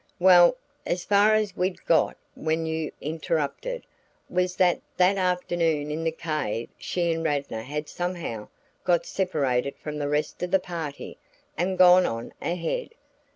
"Well, as far as we'd got when you interrupted, was that that afternoon in the cave she and Radnor had somehow got separated from the rest of the party and gone on ahead.